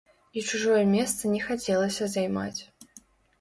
І чужое месца не хацелася займаць.